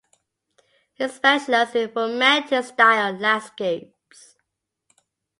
He specialized in Romantic style landscapes.